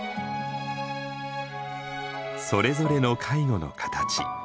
それぞれの介護の形。